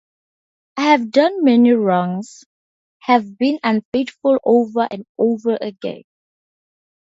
I have done many wrongs; have been unfaithful over and over again.